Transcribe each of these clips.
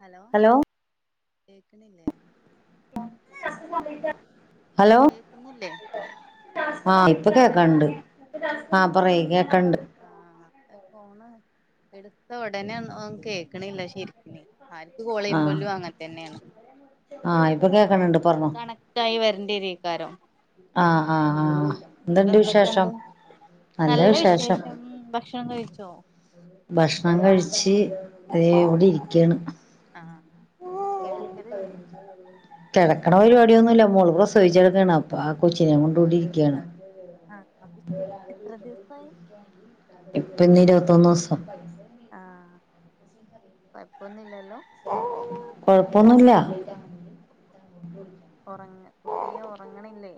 Hello കേക്ക്ണില്ലേ അ [unintelligible] hello കേക്കുന്നില്ലേ ആ ഇപ്പ ഹലോ കേക്കൺണ്ട് ആ പറയ് കേ കണ്ട് ആഹ് ഫോണ് എടുത്ത ഉടനെ ഒ ഒന്നും കേക്കണില്ല ശെരിക്കണ് ആര്ക്കു ആഹ് കോളെയ്യുമ്പലും അങ്ങനെ തന്നെണ് ആഹ് ഇപ്പൊ ആ കേക്കണണ്ട് ഒന്ന് പറഞ്ഞോ കണക്റ്റായി വെരണ്ടെരീകാരം ആ അ അ എന്തുണ്ട് വിശേഷം നല്ല വിശേഷം ഭക്ഷണം കഴിച്ചോ ഭക്ഷണം കഴിച്ച് ദേ ഇവിടെ ഇരിക്കാണ് ആ കെടക്കലില്ലേ കെടക്കണ പരിപാടിയൊന്നും ഇല്ല മോള് പ്രസവിച്ച് കെടക്കാണ് അപ്പ ആഹ് കൊച്ചിനേം കൊണ്ട് ഇവിടെ ഇരിക്കാണ്. ആഹ് അത് ശരി എത്ര ദിവസായി മുന്നോസം കൊയപ്പൊന്നുല്ല കൊഴപ്പൊന്നുല്ല ഒറങ്ങ് കുട്ടിയേ ഒറങ്ങണില്ലേ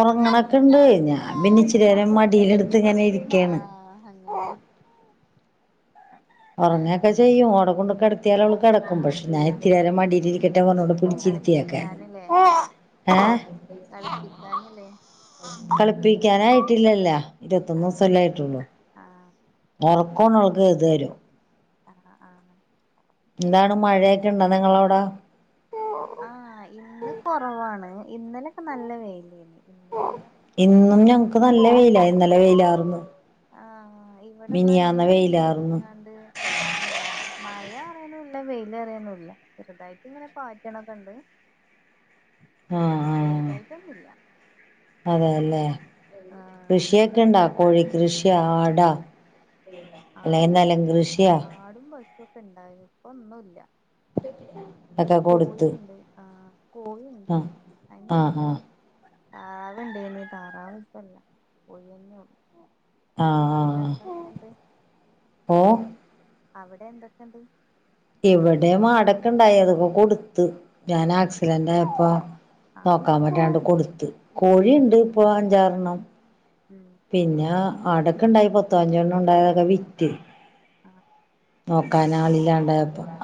ഒറങ്ങണക്കെണ്ട് ഞാൻ പിന്നെ ഇച്ചിരിനേരം മടിയിലെടുത്ത് ഇങ്ങനെ ഇരിക്ക്യാണ് അങ്ങനെ ഒറങ്ങയൊക്കെ ചെയ്യും ഓട കൊണ്ട് കിടത്തിയാൽ അവൾ കിടക്കും പക്ഷെ ഞാൻ ഇത്തിരി നേരം മടിയിലിരിക്ക ട്ടെ കൊണ്ടോണ്ട് പിടിച്ചിരിത്തിയേക്കാ ഏഹ് കളിപ്പിക്കാന് ലേ കളിപ്പിക്കാൻ ആയിട്ടില്ലല്ല ആഹ് ഇരുവത്തൊന്നൂസല്ലേ ആയിട്ടുള്ളൂ ആഹ് ഒറക്കും [unintelligible] ആ ആ എന്താണ് മഴയൊക്കെയുണ്ടോ നിങ്ങളവിടെ ആ ഇന്ന് കുറവാണ് ഉം ഇന്നലെ ഒക്കെ നല്ല വെയില് യ്ന്നെ ഇന്നും ഞങ്ങൾക്ക് നല്ല വെയിൽ ഇന്നാ ലെ വെയിലർന്നു ആ ഇവിടെ ന്നാ ഇന്ന് മൂടി വെയിലാർന്നു കാണ്ട് എ ന്താ മഴ അറിയുന്നുമില്ല വെയില് അറിയുന്നുമില്ല ചെറുതായിട്ട് ഇങ്ങനെ പാറ്റണതുണ്ട് ആ ആ ആ അതേ അല്ലെ ആഹ് കൃഷി ഒരു ഒക്കെ ഇണ്ടോ കോഴി വെളിച്ചങ്ങനെ കൃഷിയൊ ആടോ അല്ലെങ്കിൽ നെലം കൃഷിയൊ ഉണ്ടായിരുന്നു ഇപ്പോ ഒന്നും ഇല്ല അതാ കൊടുത്ത് ആഹ് കോഴിണ്ട് ആ ആ ആ ആടുണ്ടയ്നി താറാവ് ഇപ്പോ ഇല്ല കോഴി തന്നെ ഉള്ളു ആ ആ ആ ഓ അവിടെ എന്തൊക്കെയുണ്ട് ഇവിടെ മാടൊക്കെ ഇണ്ടായി അതൊക്ക കൊടുത്ത് ഞാൻ ആക്സിഡന്റ് ആയപ്പോ ആഹ് നോക്കാൻ പറ്റാണ്ട് കൊടു കോഴിയുണ്ട് ഇപ്പോ അഞ്ചാറെണ്ണം ഉം പിന്നെ ആടൊക്കെ ഇണ്ടായി പത്ത്, പതിനഞ്ചു എണ്ണം ഉണ്ടായത് ഒക്കെ വിറ്റ് അ നോക്കാൻ ആളില്ലാണ്ട് ആ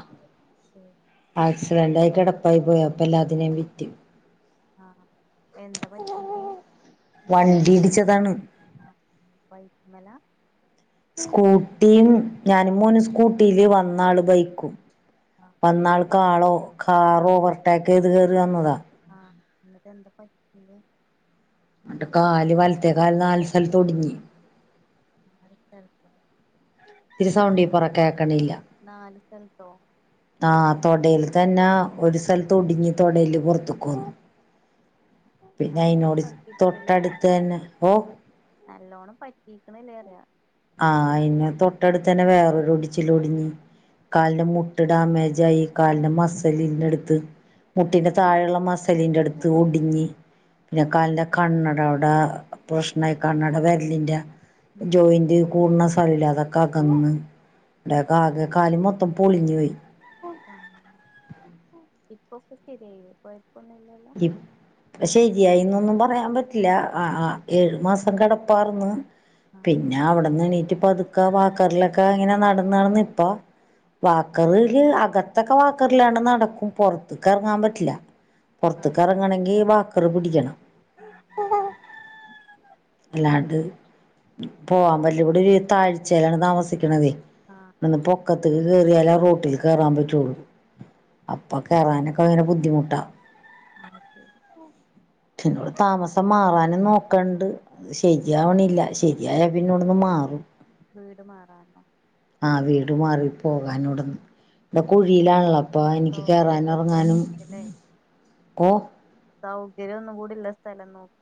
ആക്സിഡന്റ് ആയി കിടപ്പയിപോയപ്പോ എല്ലാറ്റിനേം വിറ്റ് ആ എന്താ പറ്റിനേ വണ്ടി ഇടിച്ചതാണ് വൈറ്റ്മല സ്കൂട്ടിയും ഞാനും മോനും സ്കൂട്ടിയില് വന്നാള് ബൈക്കും ആഹ് വന്നാൾക്ക് ആളോ കാറ് ഓവർ ടേക്ക്യ്ത് കേറി വന്നതാ എന്നിട്ട് എന്ത പറ്റിയെ എന്നിട്ട് കാല് വലത്തെ കാല് നാല് സ്ഥലത്ത് ഒടിഞ്ഞ് അടുത്ത അലക്കണം ഇത്തിരി സൗണ്ടി പറ കേക്കണില്ല എന്തോ ആ തോടെല് തന്ന ഒരു സ്ഥലത്ത് ഒടിഞ്ഞ് തോടെല്ല് പൊറത്തേക്ക് വന്ന് നല്ലൊണം പറ്റീട്ട്ണ്ടല്ലെ തൊട്ടടുത്ത് തന്നെ ഓ നല്ലോണം പറ്റിക്ക്ണെല്ലെറിയാ ആ അയിന്റെ തൊട്ടട്ത്തെന്നെ വേറെ ഒരു ഒടിച്ചില് ഒടിഞ്ഞ് ആഹ് കാലിന്റെ മുട്ട് ഡാമേജ് ആയി കാലിന്റെ മസിലിന്റട് ത്ത് ഉം മുട്ടിന്റെ താഴെള്ള മസി ലിന്റെട്ത്ത് ഒടിഞ്ഞ് പിന്ന കാലിന്റെ കണ്ണടവ്ടെ പ്രശ്‌നായി കണ്ണട വെരലി ന്റെ ഉം ജോയിന്റ് കൂട്ണ [unintelligible] അതൊക്കെ അകന്ന് ടെക്കെ ആകെ കാല് മൊത്തം പൊളിഞ്ഞ് പോയി [inaudible] അ ഇപ്പൊ ഒക്കെ ശെരിയായി കൊഴ ഇപ്പ ശെരിയായിന്നൊ ഒന്നും പറയാൻ പറ്റില്ല അ ആ ഏഴ് മസം കെടപ്പാർന്ന് ആഹ് പിന്ന അവിട്ന്ന് എണീറ്റ് പതുക്ക വാ ക്കറിലൊക്കെ ഇങ്ങനെ നട നടന്നിപ്പോ വാക്കറില് അകത്തൊക്കെ വാക്കറിലാണ് നടക്കും പൊറത്ത്ക്ക് എ റങ്ങാൻ പറ്റില്ല ആഹ് പൊറത്ത്ക്ക് എറങ്ങാണെങ്കി വാക്ക് ക്കറ് പിടിക്കണം അല്ലാണ്ട് പോവൻ പറ്റില്ല ഇവിടൊരു താഴ്ചേലാണ് താമസിക്കണത് ആഹ് ആഹ് ഇവിട്ന്ന് പൊക്ക ത്ത്ക്ക് കേറിയാല റോട്ടിൽ കേറാൻ പറ്റുള്ളൂ. അപ്പോ കേറാനൊക്കെ ഭയങ്കര ബുദ്ധിമുട്ടാ. അത് ശരി പിന്നവിടെ താമസം മാറാനും നോക്കണ്ട്. ശെരിയാവണില്ല ശെരിയായ പിന്നിവിടുന് മാറും. വീട് മാറാനോ ആ വീട് മാറി പോവാനിവിട്ന്ന് ഇവ്ടെ കുഴിയിലാല്ലോ. അപ്പോ എനിക്ക് സൗകര്യള്ള കേറാനും എറങ്ങാനും സ്ഥലത്ത്ക്കല്ലേ ഓ കര്യം ഒന്നും കൂടി ഇള്ള സ്ഥലം നോക്ക്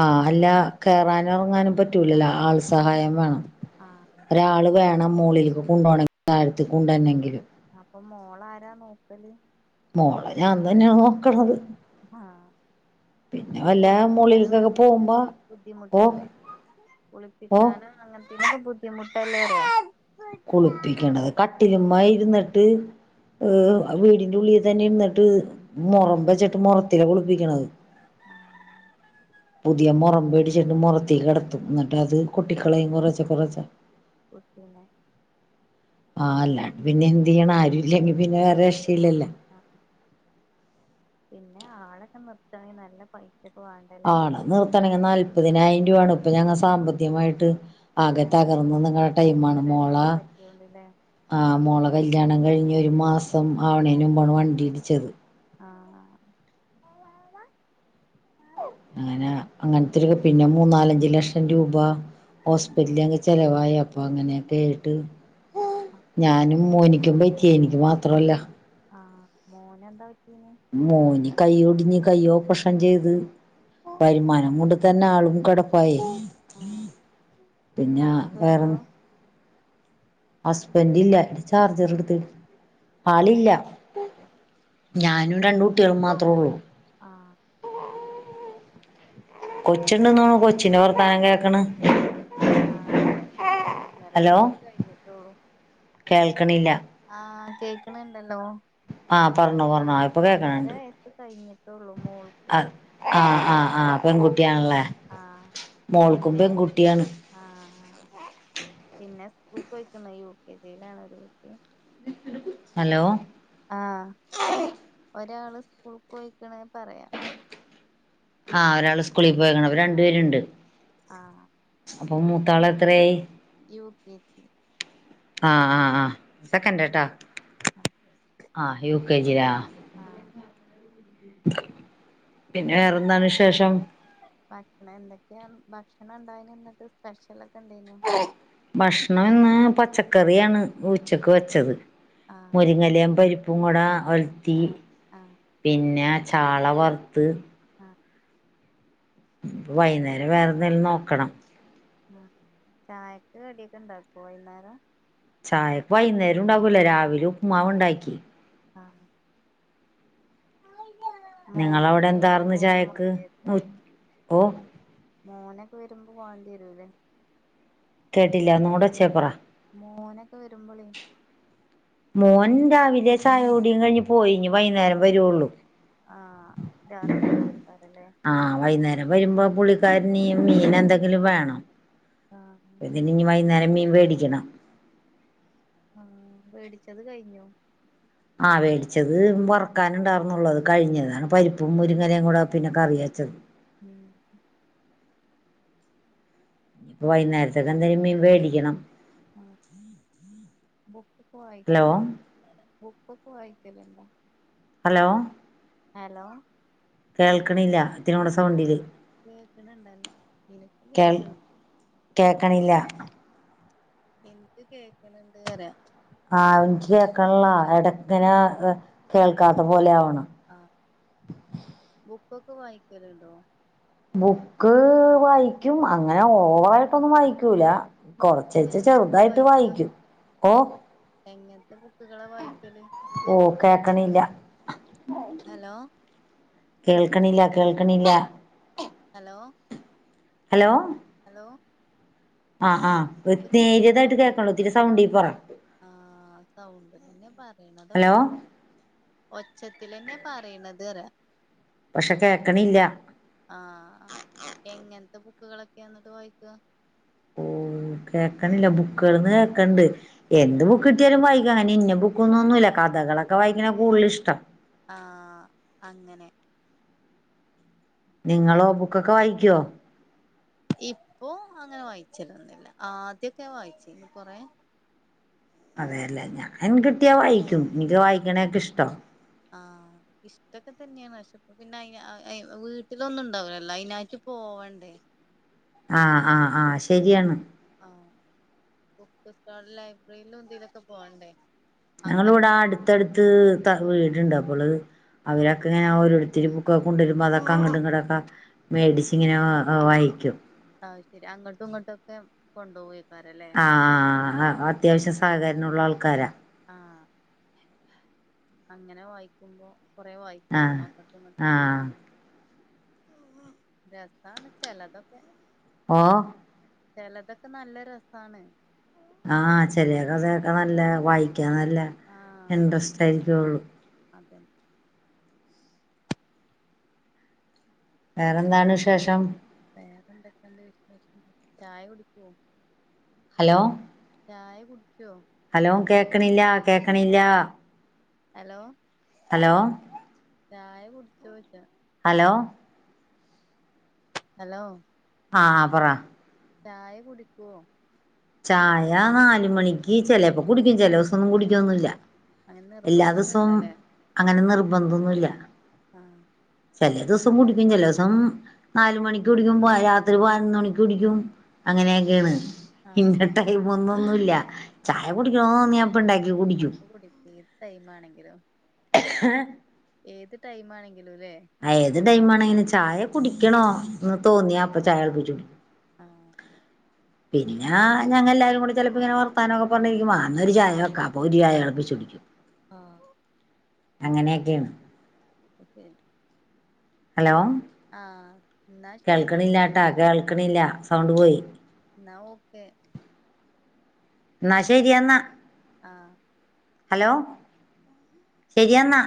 ആ അല്ലാ കേറാനും എറങ്ങാനും പറ്റൂലല്ലോ ആഹ് ആൾ ആഹ് സഹായം വേണം. ആഹ് ഒരാള് വേണം മോളിൽ കുണ്ടോണം കാലത്ത് കുണ്ടെര് ണെങ്കില് അപ്പോ മോളാ ആരാ നോക്കല്? മോളെ ഞാൻ തന്നെ നോക്കണത്. ആ പിന്നെ അപ്പോ ഈ വല്ല കുളിപ്പിക്കാനും മോളിലേക്കൊക്കെ അങ്ങനൊക്കെ പോകുമ്പോ ഓ ബുദ്ധിമുട്ടല്ലേ ഓ കുളിപ്പിക്കാനും അങ്ങന [unintelligible] ബുദ്ധിമുട്ടല്ലേ? കുളിപ്പിക്ക്ണേ കട്ടിലിമ്മേ ഇര്ന്ന് അഅ് വീടിൻ്റെ ഉള്ളിൽ വെച്ചന്നെ ഇര്ന്നട്ട് മൊറം വെച്ചിട്ട് മൊറത്തിലാ കുളിപ്പിക്ക്ണത്. ആഹ് പുതിയ മൊറം വേടിച്ചിട്ട് മൊറത്തില് കെടത്തും. എന്ന്ട്ടത് കൊട്ടിക്കളയും കൊറേശ്ശെ കൊറേശ്ശെ. കുട്ടിനെ ആ അല്ലാണ്ടെ പിന്നെ എന്തിയ്യണം ആരും ഇല്ലെങ്കി പിന്നെ അതേ രക്ഷയില്ലല്ലോ അഹ് പിന്നെ ആളൊക്കെ നിർത്തണ [unintelligible] നല്ല പൈ ആളെ നിർത്തണങ് നാല്പ്പതിനായിര രൂ വൊണ് ഇപ്പ ഞങ്ങള് സാമ്പത്തികമായിട്ട് ആകെ ആഹ് തകർന്ന് നിന്ന്ങ്ങ [unintelligible] ടൈം ആണ് ആക്സിഡന്റ് മോള ഒക്കെ പറ്റിയോണ്ട്ല്ലേ ആഹ് മോളെ കല്യാണം കഴിഞ്ഞ് ഇമ്മാസ് ആവ്ണേണ്ട് മുൻപാണ് വണ്ടി ഇടിച്ചത് ആഹ് അങ്ങനെ അങ്ങൻത്തൊര് പിന്നെ മൂന്നാലഞ്ച് ലക്ഷം രൂപ ഹോസ്പിറ്റ് ല് ഞങ്ങൾക്ക് ചെലവായി അപ്പോ അങ്ങനെ ക്കേട്ട് ഞാനും മോന്- യ്ക്കും പറ്റി എനിക്ക് മാത്രല്ല അഹ് മോന് എന്താ പറ്റ്- മോന് കൈയ്യൊടിഞ്ഞ് ഇഞ്ഞ് കൈയ്യോപ്രഷം ചെയ്ത് വരുമാനും കൊണ്ട് തന്നെ ആളും കെടപ്പായി ആഹ് പിന്നെ വേറെ ഹസ്ബന്റോ ഹസ്ബൻ്റ് ഇല്ല ഇൻ്റെ ചാർജറ് എടുത്ത് ആളില്ല ഞാനും രണ്ട് കുട്ട്യേളും മാത്രൊള്ളു അ കൊച്ചുണ്ടുന്ന് തോന്നണ് കൊച്ചിൻ്റെ വർത്താനം കേൾക്കണ് ആ കൊച്ചുണ്ട് ഹലോ ഒന്നരവയസ് കഴിഞ്ഞിട്ടൊള്ളു കേൾക്കണില്ല ആ കേൾക്കിണില്ലല്ലോ ആ പറഞ്ഞോ പറഞ്ഞോ ഇപ്പോ കേക്കണണ്ട് വയസ്സ് കഴിഞ്ഞിട്ടുള്ളൂ മോൾക്ക് അ അ ആ പെണ്കുട്ടി അ പിന്നെ പെൺകുട്ടിയാണ് അ ആ പിന്നെ സ്ക്കൂളിൽ പോയ്ക്കാണ് യു കെ ജി യിലാണ് ഹലോ ആ ഒരാള് സ്കൂളിൽ പേയ്ക്ക്ണ് പറയാം അ ഒരാള് സ്‌കൂളി- പോയിരിക്കണ് അവര് രണ്ട് ആഹ് പേരുണ്ട് ആഹ് അപ്പോ മൂത്താള് എത്രേയി യു കെ ജി അ അ ആ സെക്കൻ്റ് ട്ടാ ആഹ് അ യു കെ ജി ലാ [inaudible] വേറെന്താണ് വിശേഷം വാക്ക്ണേ എന്തക്കയാം ബാക്കി ഇന്ന് എന്തായേന് ഇന്നത്ത സ്പെഷ്യലായ് ബഷ്‌ണം ഇന്ന് പച് ച്ചക്കറി ആണ് ഉച്ചക്ക് വെച്ചത്. ആഹ് മുരിങ്ങലേം പരിപ്പു ഉപ്പും കൂടാ ഒൽത്തി ആഹ് ആഹ് പിന്ന ചാള വറ്ത്ത് ആഹ് ഇപ്പം വയ്യ്ന്നേരം വേറെ എന്തെങ്കിലും നോക്കണം ആഹ് ചായക്ക് കടിഅക്ക ഒണ്ടാക്കോ വയ്യ്നേരം ചായ പ്പൊ വയ്യ്ന്നേരോം ഒണ്ടാക്കൂല രാവിലെ ഉപ്പ്മാവ് ഒണ്ടാക്കി ആഹ് നിങ്ങളവിടെ മോനൊക്കെ എന്താർന്ന് വരുമ്പോ ഒന്നും ചായക്ക് വാക്കര്തേ. ഓ മോനക്ക വരുമ്പം വണ്ടി എ [unintelligible] കേട്ടില്ല ഒന്നൂട ചേർപറ മോനക്ക വരുമ്പളേ മോൻ രാവിലെ ചായ കുടീം കഴിഞ്ഞ് പോയി ഇനി വയ്യ്ന്നേരം വരോള്ളു. ആഹ് രാത്രി ആവോര് അതല്ലെ ആ വൈകുന്നേരം വരുമ്പോ പുള്ളിക്കാരനീ മീന് എന്തങ്കിലും വേണം ആഹ് ഇന്ന്ന്നി മീ വയ്യ്ന്നേരം മീവ് ഇത് വേടിക്കണം ആഹ് വേടിച്ചത് കഴിഞ്ഞോ ആഹ് വേടിച്ചത് വറ് ക്കാനുണ്ടാർന്നൊള്ളത് കഴിഞ്ഞ് [unintelligible] പരിപ്പും മുരിങ്ങലേം കൂട പിന്ന കറിവച്ചത്. [unintelligible] ഇനിപ്പോ വയ്യ്ന്നേരത്തേക്കെന്തെലും മീൻ വേടിക്കണം ആ ബുക്കൊക്ക ഹലോ വായിക്കുല്ലേ ബുക്കൊക്ക വായിക്കലൊണ്ടാ? ഹലോ ഹലോ കേൾക്കണില്ല ഇത്ത്‌രീം കൂടെ സൗണ്ടില് കേക്കണൊണ്ടല്ലാ എന്ക്ക് കേൾ കേക്കണ് കേക്കണില്ല എന്ക്ക് കേക്കണ്‌ണ്ട് പറയാ ആ എനിക്ക് കേക്കണില്ലാ എടക്കനെ അ കേൾക്കാത്ത പോലെ ആവണ്. ആ ബു ബുക്ക് വായിക്കലുണ്ടോ ബുക്ക് വായിക്കും അങ്ങന ഓവറായിട്ടൊന്നും വായിക്കൂല. കൊറച്ച് എച്ച് എങ്ങനത്തെ ബുക്കാ ചെറുതായിട്ട് വായിക്ക വായിക്കും. ഓ എങ്ങനത്തെ ബുക്കുകളാ വായിക്കല് ഓ കേക്കണില്ല അഹ് ഹലോ കേൾക്കണില്ല കേൾ കണില്ല ഹലോ ഹലോ ഹലോ ആ ആ ഇപ്പം കേക്കണുണ്ടോ? പറ ആ സൗണ്ടി തന്നെയാ ഹലോ പറയുന്നതൊക്കെ. ഒച്ചത്തിലന്നെ പറയണത് പക്ഷെ കേക്കണില്ല ആ, എങ്ങനത്തെ കു ബുക്കുകൾ ഒക്കെ എന്നത് വായിക്കുക ഓ കേൾക്കണില്ല ബുക്കുകളെന്ന് കേക്കണുണ്ട് എന്ത് ബുക്ക് കിട്ടിയാലും വായിക്കും, അങ്ങനെ ഇന്ന ബുക്കെന്നൊന്നുമില്ല കഥകളൊക്കെ വായിക്കണ കൂടുതലിഷ്ടം. ആ, അങ്ങനെ നിങ്ങളോ ബുക്ക് ഒക്കെ വായിക്കുവോ? ഇപ്പോ അങ്ങനെ വായിച്ചിരുന്നില്ല, ആദ്യോക്കേ വായിച്ചിരുന്നു കൊറേ അതെ അല്ലേ ഞ ൻ കിട്ടിയ വായിക്കും എനിക്ക്. വായിക്കണയക്കെ ഇഷ്ടവാ ആഹ് ഇഷ്ടൊക്കെ തന്നെയാണ് പക്ഷെ അപ്പൊ പിന്നെ ആയി അ വീട്ടിലൊന്നുണ്ടാവില്ലൊ അയിനായിട്ട് പോവണ്ടേ. ആ ആ ആ ശരിയാണ് ആഹ് ബുക്ക് സ്റ്റാളില്, ലൈബ്രറില് എന്തെലുവൊക്കെ പോവണ്ടേ അങ്ങനെ ഞങ്ങളിവിടെ അടുത്തടുത്ത് ത വീടുണ്ട് അപ്പള്, ഉം അവരൊക്കെ ഇങ്ങനെ ഓരോ രുത്തരും കൊണ്ടുവരുമ്പോ അതൊക്കെ അങ്ങോട്ടും ഇങ്ങോട്ടും ഒക്കെ മേടിച്ചു ഇങ്ങനെ അ വായിക്കും അതുശെരി അങ്ങോട്ടുമിങ്ങോട്ടു ഒക്കെ കൊണ്ടുപോവേം ആ ആ അത്യാവശ്യ സാധ നുളള ആൾക്കാരാ ആഹ് അങ്ങനെ വായിക്കുമ്പോ കുറെ വായിക്കാലോ ആഹ് അങ്ങോട്ടും ഇങ്ങോട്ടൊക്കെ ആഹ് രസാണ് ചെലതൊക്കെ ഓ ചെലതൊക്കെ നല്ല രസാണ് ആ ചിലതൊക്കെ കേക്കാൻ നല്ല വ കേൾക്കാൻ നല്ല ഇൻട്രസ്റ്റ് ആയിരിക്കുള്ളു അതെ വേറെന്താണ് വിശേഷം വേറെ എന്തൊക്കെയുണ്ട് വിശേഷം ചായ കുടിച്ചോ ഹലോ ചായ കുടിച്ചോ ഹലോ കേൾക്കണില്ല കേൾക്കണില്ല ഹലോ ഹലോ ചായ കുടിച്ചോച്ച ഹലോ ഹലോ ആ പറ ചായ കുടിക്കോ ചായ നാലുമണിക്ക് ചിലപ്പോ കുടിക്കും ചില ദിവസം ഒന്നും കുടിക്കൊന്നുമില്ല അങ്ങനെ എല്ലാ ദിവസവും നിർബന്ധൊന്നുല്ലല്ലേ അങ്ങനെ നിർബ നിർബന്ധമൊന്നുമില്ല അ ചില ദിവസം കുടിക്കും ചില ദിവസം നാല് മണിക്ക് കുടിക്കും രാത്രി പതിനൊന്ന് മണിക്ക് കുടിക്കും അങ്ങനെക്കെയാണ് ഇന്ന ടൈമൊമൊന്നുല്ല അ കുടിക്കും അപ്പോ കുടിക്കും ഏത് ടൈമാണെങ്കിലും ഏത് ടൈമാണേ ആ ഏത് ടൈമാണെങ്കിലും ച ചായ കുടിക്കണം എന്ന് തോന്നിയാ അപ്പോ ചായ കുചും ആഹ് പിന്നാ ഞങ്ങളെല്ലാം കൂടെ ചിലപ്പോ വർത്തമാനമൊക്കെ പറഞ്ഞു കൊണ്ടിരിക്കുമ്പോ അന്നരം ഒരു ചായ ഒരു ചായ തിളപ്പിച്ചു കുടിക്കും ആ അങ്ങനെയൊക്കെയാണ് [unintelligible] ഹലോ ആ കേൾക്കണില്ലാട്ടോ കേൾ കേൾക്കണില്ല സൗണ്ട് പോയി എന്നാ ഓകേ എന്നാ ശരി എന്നാ ആ ഹലോ ശരിയെന്നാ